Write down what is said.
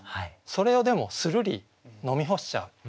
それをでもするり飲み干しちゃう